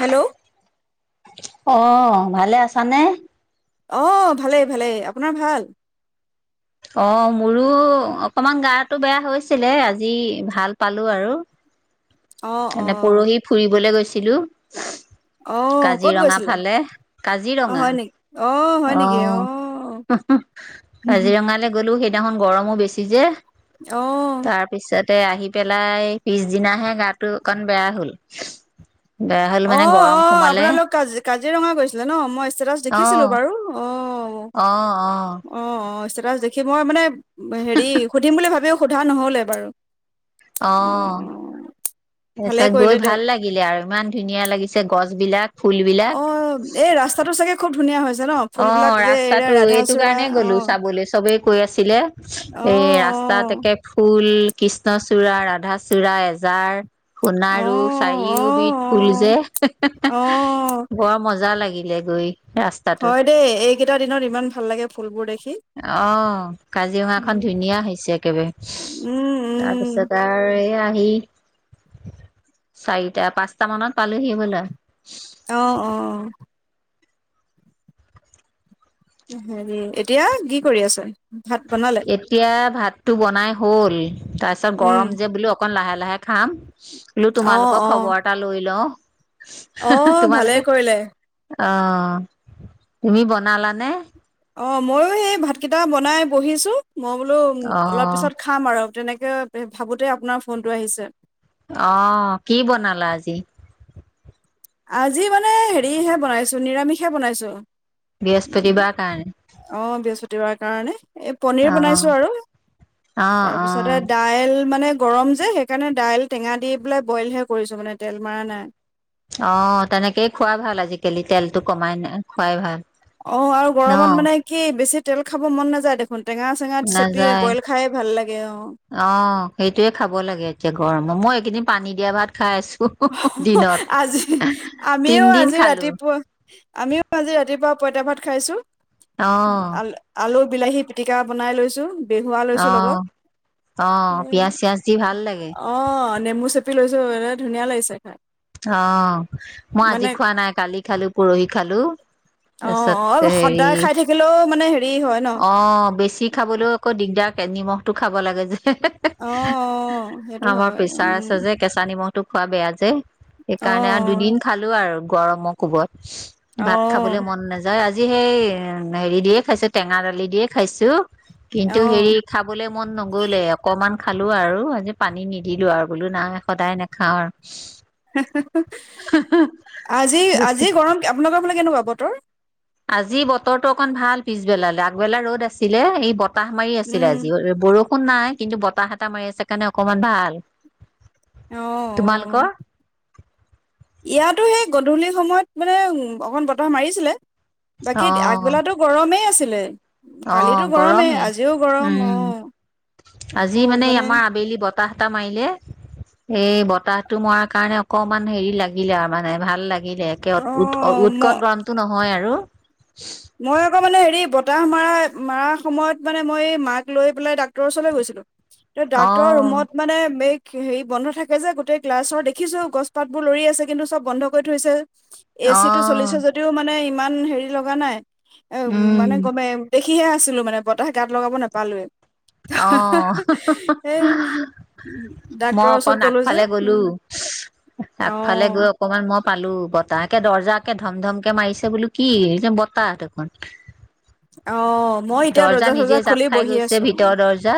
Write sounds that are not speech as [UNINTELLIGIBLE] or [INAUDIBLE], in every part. Hello অ ভালে আছানে? অ ভালেই ভালেই। আপোনাৰ ভাল? অ মোৰো অকমান গাটো বেয়া হৈছিলে আজি ভাল পালো আৰু। অ অ এনে পৰহি ফুৰিবলৈ গৈছে। অ গৈছিলো ক'ত কাজিৰঙা গৈছিলে ফালে অ কাজিৰঙা হয় নেকি অ হয় অ নেকি হ হ কাজিৰঙালৈ গ'লো সে। সিদিনাখন গৰমো বেছি যে। অ তে আহি পেলাই পিছদিনাহে গাত টো অকণ বেয়া হ'ল বেয়া হ'ল অ মানে গৰম অ সোমালে আপোনালোক কাজি কাজিৰঙা গৈছিলে ন মই ষ্টেটাচ দেখিছিলো অ', বাৰু অ। অ অ অ ষ্টেটাচ দেখি মই মানে হেৰি সুধিম বুলি ভাবিও সোধা নহলে বাৰু। অ ভালে পিছত গৈ কৰিলে ভাল দিয়ক লাগিলে আৰু ইমান ধুনীয়া লাগিছি ছে গছ বিলাক অ' এই ৰাস্তাটো চাগে খুব ধুনীয়া হৈছে। ন অ ফুলবিলাক যে এৰা ৰাস্তাতটো এইটো ৰাধাচূড়া কাৰণেই অ গলো চাবলৈ চবেই কৈ আছিলে অ এ ৰাস্তাত একে ফুল কৃষ্ণচূড়া, ৰাধাচূড়া, এজাৰ অ অ সোণাৰো অ চাৰিওবিধ খুল অ যে অ', বৰ মজা লাগিল লে গৈ ৰাস্তাটোত হয় দেই এইকেইটা দিনত ইমান ভাল লাগে ফুলবোৰ দেখি অ' কাজিৰঙাখন উম, ধুনীয়া হৈছে একেবাৰে, উম, উম, তাৰপিছত আৰু এইয়া এই চাৰিটা পাঁচটা মানত পালোহি হবলা। অ' অ' হেৰি, এতিয়া কি কৰি আছে? ভাত বনালে? এতিয়া, ভাত টো বনাই হ'ল। তাৰপিছত উম, গৰম যে, বোলো অকণ লাহে লাহে খাম বোলো, অ', তোমালোকক অ', খবৰ এটা লৈ লও অ' ভালেই কৰিলে। অ' তুমি বনালা নে? অ' মইয়ো সেই ভাতকেইটা বনাই বহিছোঁ। মই বোলো, অলপ অ', পিছত খাম আৰু তেনেকে ভাবোতে আপোনাৰ ফোনটো আহিছে। অ' কি বনালা আজি? আজি মানে হেৰিহে বনাইছো নিৰামিষহে বনাইছো। উম, বৃহস্পতিবাৰ কাৰণে অ বৃহস্পতিবাৰ কাৰণে এই পনিৰ অ', বনাইছো আৰু, অ', তাৰপিছতে অ', দাইল, মানে গৰম যে, সেইকাৰণে দাইল টেঙা দি পেলাই বইলহে কৰিছো মানে, তেল মৰা নাই। অ' তেনেকেই খুৱাই ভাল, আজিকালি তেলতটো কমাই ন খোৱাই ভাল। অ' আৰু ন? গৰমত মানে কি বেছি তেল খাব মন নাযায় দেখ নাযায়, লাগে অ'। অ' সেইটোয়ে খাব লাগে এতিয়া গৰম মই এইকেইদিন পানী দিয়া ভাত খাই আছো। দিনত আজি আমিও তিনদিন আজি খালো ৰাতিপুৱা আমিও আজি ৰাতিপুৱা পইতা ভাত খাইছো অ', আল আলু বিলাহী পিটিকা বনাই লৈছো। বেহুৱা লৈছো লগত, অ', অ', পিয়াজ চিয়াজ দি ভাল লাগে অ', নেমু চেপি [UNINTELLIGIBLE] ধুনীয়া লাগিছে খাই। অ', মই আজি মানে খোৱা নাই কালি খালো পৰহি খালো। অ', তাৰপিছত অ', হেৰি সদায় খাই থাকিলেও মানে হেৰি হয় ন। অ', বেছি খাবলৈও আকৌ দিগদাৰ। এ নিমখ টো খাব লাগে যে। অ অ সেইটো আমাৰ হয় প্ৰেছাৰ আছে উম যে কেঁচা নিমখ তুৰ্ক খোৱা বেয়া যে। অ সেইকাৰণে আৰু দুদিন খালো আৰু গৰমৰ কোবত। অ ভাত খাবলৈ মন নাযায় আজি আজি সেই হেৰি দিয়ে খাইছে। টেঙা দালি দিয়ে খাইছো। কিন্তু অ অ হেৰি, খাবলে মন নগ'লে অকমান। খালো আৰু পানী নিদিলো আৰু বোলো নাই সদায় নাখাওঁ আৰু। হুঁ হুঁ বেছি। আজি-আজি গৰম আপোনালোকৰ ফালে? কেনেকুৱা বতৰ? আজি বতৰ টো অকন ভাল পিছবেলালৈ, আগবেলা ৰ'দ আছিলে, এই ব কাহ মাৰি আছিলে উম আজি বৰ একো নাই কিন্তু বতাহ এটা মাৰি আছে কাৰণে অকমান ভাল। অ', তোমালোকৰ অ', ইয়াতো সেই গধূলি সময়ত মানে, উ অকন বতাহ মাৰিছিলে। বাকী অ আগবেলাতো গৰমেই আছে। প্লেন অ গৰমেই, অ উম আজি মানে আমাৰ আবেলি বতাহ বতাহ এটা মাৰিলে, এই বতাহতটো মৰাৰ কাৰণে অকনমান হেৰি লাগিলে আৰু মানে ভাল লাগিল। লাগিলে একে অ ম উ-উৎকট গৰমতটো নহয় আৰু। মই আকৌ মানে হেৰি বতাহ মৰা মৰা সময়ত মানে মই মাক লৈ পেলাই ডাক্তৰৰ ওচৰলৈ গৈছিলোঁ। অ ডাক্তৰৰ ৰুমত মানে মেইলত। হেৰি বন্ধ থাকে যে গোটেই ক্লাছৰ দেখিছো গছ পাত বোৰ লৰি আছে কিন্তু চব বন্ধ কৰি থৈছে যে। এ অ চি টো চলিছে যদিও মানে ইমান। ইমান হেৰি লগা নাই। উম মানে কমে দেখিহে আছিলো মানে বতাহ গাত লগাব নাপালোৱে। আহ এই হুঁহ। মই ডাক্তৰৰ ওচৰত অকমান গ'লো যে আগফালে গ'লো উম অ আগফালে গৈ অকমান মই পালো বতাহ একে দৰ্জাকে ধম ধমকে মাৰিছে বোলো কি এই যে বতাহ দেখোন। অ মই এতিয়া দৰ্জা নিজে চৰ্জা জাপ খুলি খাই বহি গৈছে আছো ভিতৰৰ দৰ্জা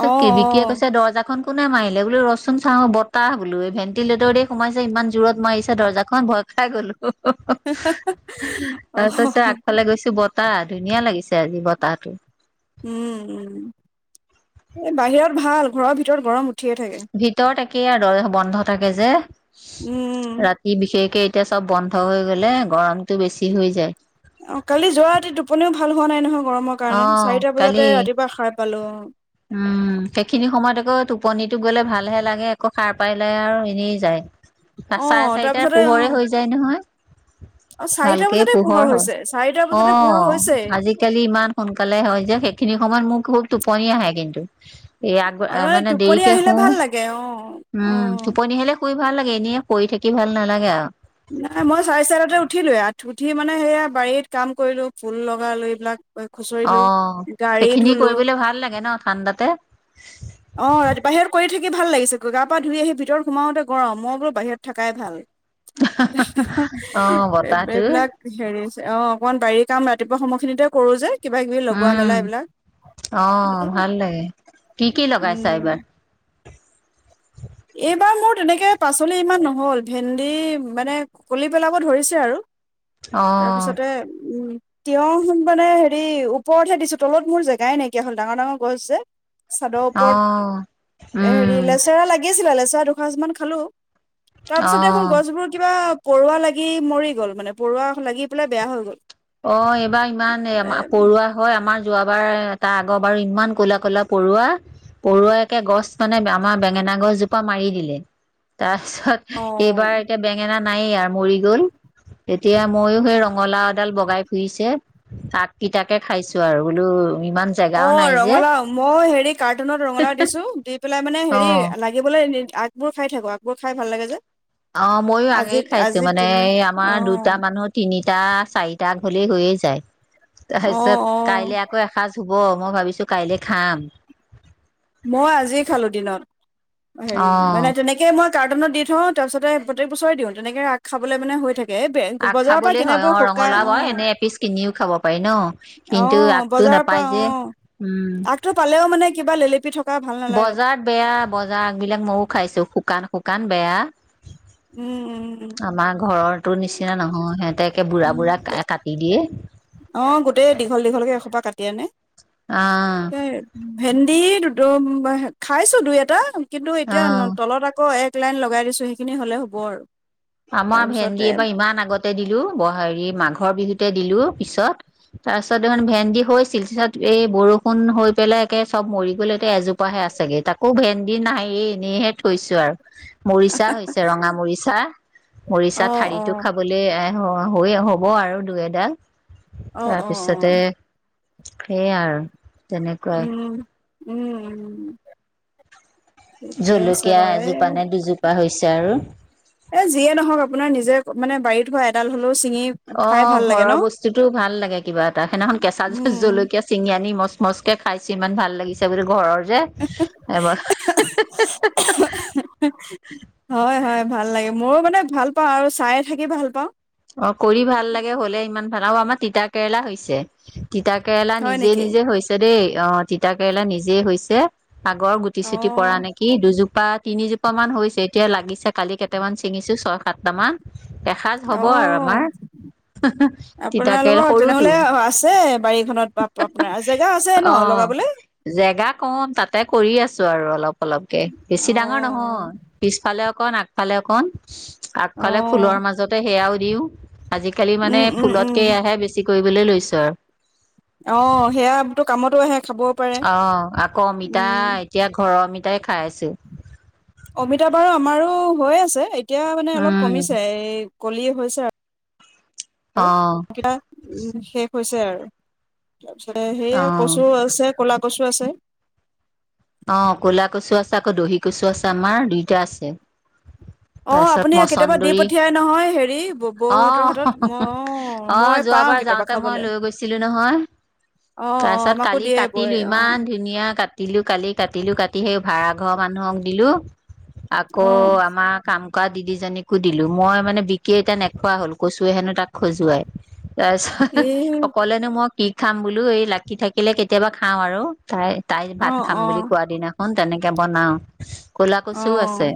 অ বিকিয়ে অ কৈছে দৰ্জাখন। কোনে মাৰিলে বোলো ৰচুন চা বতাহ বোলো এই ভেণ্টিলেটৰ দ সোমাইছে ইমান জোৰত মাৰিছে দৰ্জাখন ভয় খাই গ'লো। হে হে আহে। তাৰ ধুনীয়া লাগিছে। আজি বতাহটো। উম-উম, এই বাহিৰত ভাল ঘৰৰ ভিতৰত গৰম উঠ ভিতৰত একেই আৰু দৰ্জা বন্ধ থাকে যে। উম উম ৰাতি বিশেষকে এতিয়া চব বন্ধ হৈ গ'লে গৰমতটো বেছি হৈ যায়। অ', কালি যোৱা টোপনিও ভাল হোৱা নাই নহয়। গৰমৰ অ কাৰণে চাৰিটা কালি বজাতে ৰাতিপুৱা সাৰ পালোঁ। অ', উম' সেইখিনি সময়ত আকৌ টোপনিটো গ'লে ভালহে লাগে আকৌ সাৰ পাই লাই আৰু এনেই যায়। অ চাৰে অ চাৰিটাৰ তাৰপিছতে অ পোহৰে হৈ যায় নহয়। অ চাৰিটা ভালকে বজাতে পোহৰ হয় হৈছে চাৰিটা বজাতে পোহৰ অ', হৈছে আজিকালি ইমান সোনকালে হয় যে, সেইখিনি আমাৰ মুখ হ'ল টো টোপনীয়া আহে। কিন্তু এই আগ আৰু মানে টোপনি দেৰিকে আহিলে শো' ভাল লাগে অ অ উম' টোপনি হেলে শুই ভাল লাগে এনেই পৰি থাকি ভাল নালাগে আৰু। নাই মই চাৰে চাৰিতাতে উঠিলো, উঠি মানে সেয়া বাৰীত কাম কৰিলো ফুল লগালো এইবিলাক। খুচৰিলো অ' গাড়ী সেইখিনি ধুলো কৰিবলৈ ভাল লাগে ন' ঠাণ্ডাতে। কি ভাল লাগিছে ক গা-পা ধুই আহি ভিতৰত সোমাওতে গৰম, মই বোলো বাহিৰত থকাই ভাল। অ বতাহটো এইবিলাক হেৰি অ' অকনমান বাৰী কাম ৰাতিপুৱা সময়খিনিতে কৰো যে। কিবা-কিবি লগোৱা মেলা উম এইবিলাক। কি-কি লগাইছা উম এইবাৰ? [INAUDIBLE] এইবাৰ মোৰ তেনেকে পাচলি ইমান নহল, ভেন্দি মানে কলি পেলাব ধৰিছে আৰু। অ তাৰপিছতে, উম। তিয়হুন মানে হেৰি ওপৰতহে দিছো তলত মোৰ জেগাই নাইকিয়া হল, ডাঙৰ-ডাঙৰ গছ যে। চাদৰ অ ওপৰত, উম হেৰি লেচেৰা লাগে। লাগিছিলে লেচেৰা দুসাঁজ মান খালো। তাৰ পিছত দেখোন অ গছবোৰ কিবা, পৰুৱা লাগি মৰি গ'ল, মানে পৰুৱা লাগি পেলাই বেয়া হৈ গ'ল। অ' এইবাৰ ইমান এ পৰুৱা হয়। আমাৰ যোৱাবাৰ তাৰ আগৰ বাৰু ইমান ক'লা-ক'লা, পৰুৱা-পৰুৱা, একে গছ মানে আমাৰ বেঙেনা গছজোপা মাৰি দিলে। তাৰ তাৰ পিছত, এইবাৰ অ এতিয়া বেঙেনা নায়েই আৰু মৰি গল। তেতিয়া ময়ো সেই ৰঙালাও ডাল বগাই ফুৰিছে আগ কেইটাকে খাইছো আৰু বোলো, ইমান জেগাও অ' নাই যে ৰঙালাও মই হেৰি কাৰ্টুনত ৰঙালাও দিছো, দি পেলাই মানে অ হেৰি লাগিবলৈ আগবোৰ খাই থাকো আগবোৰ খাই ভাল লাগে যে। অ ময়ো আজি আঙেয় খাইছো আজিৰ মানে দিনে আমাৰ অ দুটা মানুহ তিনিটা চাৰিটা তাক হ'লেই হৈয়ে যায় অ তাৰপিছত অ কাইলৈ আকৌ এসাঁজ ধুব মই ভাবিছো কাইলে খাম মই আজি খালো দিনত হেৰি অ মানে তেনেকে মই কাৰ্টনত দি থওঁ তাৰপিছতে প্ৰত্যেক বছৰেই দিওঁ তেনেকৈ ৰাগ খাবলৈ মানে হৈ থাকে এই বে আগ বজাৰৰ পৰা খাবলে হয় কিনাবোৰ অ শুকাই ৰঙালাও অ হয় এনে এপিচ কিনিও খাব পাৰি ন অ কিন্তু আগটো বজাৰৰ পৰা নেপায় অ যে উম আগটো পালেও মানে কিবা ললি বজাৰত বেয়া বজাৰ আগবলাক মইও খাইছো শুকান শুকান কান বেয়া উম উম আমাৰ ঘৰৰ টো নিচিনা নহয় সিহঁতে তে বুঢ়া উম বুঢ়া উম কাই কাটি দিয়ে অ গোটেই দীঘল দীঘলকে সোপা কাটি আনে আহ এই ভেন্দি দু টো খাইছো দুই এটা কিন্তু এতিয়া অ তলত আকৌ এক এক লাইন লগাই দিছো সেইখিনি হ'লে হ'ব আৰু আমাৰ ভেন্দি তাৰপিছতে এইবাৰ ইমান আগতে দিলো ব হেৰি মাঘৰ বিহুত তে দিলো পিছত তাৰ পিছত ইমান ভেন্দি হৈছিল পিছত এই বৰষুণ হৈ পেলে একে চব মৰি পেলে টে এজোপাাহে আছেগে তাকো ভেন্দি নাই এনেইহে থৈছো আৰু মৰিচা হৈছে, ৰঙা মৰিচা।। মৰিচা অ অ ঠাৰিটো খাবলৈ।। অ হৈ হ'ব আৰু দুই এডাল। অ অ অ তাৰপিছতে।। সেইয়াই আৰু তেনেকুৱাই উম উম। ঠিকে আছে জলকীয়া বাৰু এই এজোপা নে দুজোপা হৈছে আৰু।। এ যিয়ে নহওক আপোনাৰ নিজে মানে বাৰীত হোৱা এডাল হ'লে।। অ ঘৰৰ বস্তুতটো ভাল লাগে কিবা এটা। সেইদিনাখন কেঁচা উম জ উম। জলকীয়া চিঙি আনি মস।। মজকে খাইছো ইমান ভাল লাগিছে বোলে ঘৰৰ।। যে এব।। হয় হয় ভাল লাগে ময়ো মানে ভাল পাওঁ। আৰু চায়ে থাকি ভাল পাওঁ। অ কৰি ভাল লাগে হলে ইমান ভাল অ আমাৰ তিতা কেৰেলা হৈছে। তিতাকেৰেলা হয় নিজে নেকি নিজে হৈছে দেই। অ তিতাকেৰেলা নিজেই হৈছে। আগৰ গুটি অ চুটি পৰা নেকি দুজো আহ তিনিজোপা মান হৈছে, এতিয়া লাগিছে, কালি কেইটামান চিঙিছো ছয় সাতট মান এ হ'ব আৰু অ আমাৰ তিতাকেৰেলা আপোনালোকৰ সৰুতো, তেনেহ'লে আছে বাৰীখনত আপোনাৰ জেগা আছে ন অহ লগাবলে জেগা কম তাতে কৰি আছো আৰু। অলপ অলপকে বেছি ডাঙৰ নহয় অ' পিছফালে অকণ আগফালে অকণ আগফালে ফুলৰ অ' মাজত। হেইয়াও দিও। আজিকালি মানে উম উম ফুলতকে উম এইয়া বেছি কৰিবলৈ লৈছো আৰু। অ সেয়া তো কামতো আহে। খাবও পাৰে অ আকৌ অমিতা উম এতিয়া ঘৰৰ অমিতা টাই খাই আছেউ। অমিতা বাৰু আমাৰো হৈ আছে এতিয়া মানে অলপ উম কমিছে এই কলিয়ে হৈছে আৰু অ শেষ হৈছে আৰু তাৰপিছতে অ সেয়া কচু আছে কলা কচু আছে। অ কলা কচু আছে আকৌ দহি কচু আছে আমাৰ দুইটা আছে। অ' তাৰপিছত আপুনি কেতিয়াবা দি মচন্দৰী পঠিয়াই নহয় হেৰি বৌহঁতৰ হাতত আহ মই অ' আহ মই পাওঁ যোৱাবাৰ কেতিয়াবা যাওঁতে মই খাবলে লৈ গৈছিলো নহয় অ' অ' তাৰপিছত আমাকো কালি দিয়ে বৌয়ে কাটিলো অ' ইমান ধুনীয়া কাটিলো কালি কাটিলো কাটি সেই ভাড়াঘৰ মানুহক দিলো আকৌ অ' আমাৰ কাম [INAUDIBLE] দিদিজনীকো দিলো মই মানে বিকি এতিয়া নেখোৱা হল কচুৱে হেনো তাক খজুৱাই। তাৰ এই পিছত অকলেনো মই কি খাম বোলো এই লাকি থাকিলে কেতিয়াবা খাওঁ আৰু। তাই তাই অ', ভাত খাম বুলি অ', তেনেকে বনাও ক'লা কচুও আহ আছে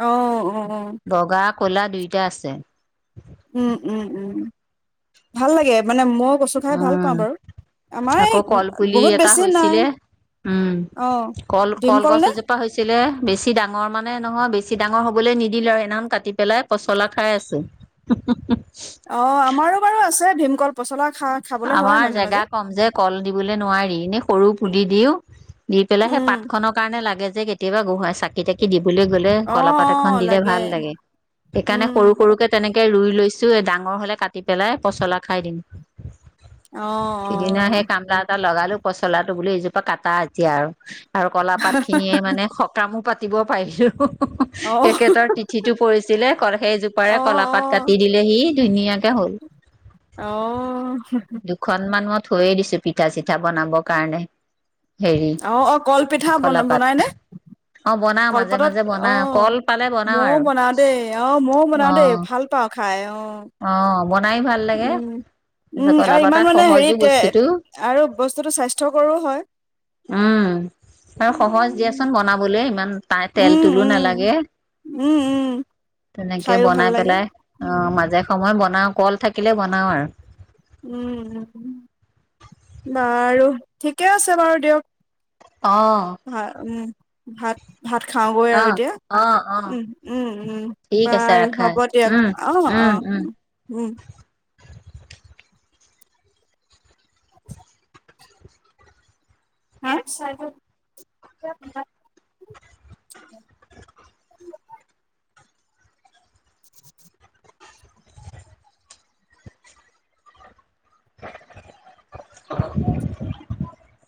-আহ - আহ। বগা ক'লা দুইটা আছে। উম- উম -উম ভাল লাগে। মানে মইও কচু খাই ভাল উম, পাওঁ বাৰু আমাৰ এই আকৌ কলপুলি বহুত এটা বেছি নাই হৈছিলে উম অ', কল- ভীমকল কলগছ নে এজোপা হৈছিলে। বেছি ডাঙৰ মানে নহয়, বেছি ডাঙৰ হ'বলৈ নিদিলো আৰু সেনাখন কাটি পেলাই পচলা খাই আছো হো হো হো। অ আমাৰো বাৰু আছে ভীম কল পচলাক। আমাৰ জেগা কম যে কল দিবলৈ নোৱাৰি। এনে সৰু পুলি দিওঁ। দি পেলাই সেই পাত উম, খনৰ কাৰণে লাগে। যে কেতিয়াবা গোসাঁইৰ চাকি তাকি দিব।। লৈ গলে অ', ক'লা পাত এখন দিলে ভাল লাগে সেইকাৰণে সৰু উম, সৰুকে তেনেকে। সৰুকে ৰুই লৈছো ডাঙৰ হলে কাটি পেলাই পচলা খাই দিম। অ', সিদিনা সেই অ', কামলা এটা লগালো পচলাত।। বোলে এইজোপা কটা এতিয়া আৰু।। আৰু কলা পাত খিনিয়ে মানে সকামো পাতি। কাটিব পাৰিছো। হু হু অ', তেখেতৰ তিথিটো পৰিছিলে, সেইজোপাৰে অ', কলাপাত কাটি দিলে সি ধুনীয়াকে হ'ল। অ', অ', দুখন মানত। থৈয়ে দিছো পিঠা চিঠা বনাবৰ কাৰণে। হেৰি অ অ কলপিঠা ব কলাপাত বনাই নে? অ বনাও মাজে কলপাতত মাজে অ বনাও কল পালে ময়ো আৰু বনাও দেই অ ময়ো অ বনাও দেই ভাল পাওঁ। খায়ো। অ বনা।। বনাই ভাল লাগে। পিছে উম ক'লা আৰু ইমান পাতত মানে সহজো হেৰিত এ বস্তু টো আৰু বস্তুটো স্বাস্থ্যকৰো হয়। ও আৰু সহজ দিয়া উম চোন বনাবলে।। তা তেল উম তোলো উম নালাগে। উম তেনেকে খাইও ভাল বনাই লাগে। পেলাই অ উম মাজে।। মই বনাওঁ কল থাকিলে বনাওঁ আৰু। উম বাৰু ঠিকে আছে বাৰু দিয়ক। অ', হয় উম ভাত।। ভাত খাওঁগৈ আৰু অ', এতিয়া অ', অ', উ উ ঠিক আছে বাৰু ৰাখা হ'ব দিয়ক উম, অ উম, অ উম। ও। হ [INAUDIBLE] উমচ উমচ [INAUDIBLE]